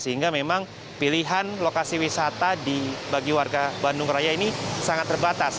sehingga memang pilihan lokasi wisata bagi warga bandung raya ini sangat terbatas